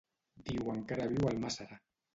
Diuen que ara viu a Almàssera.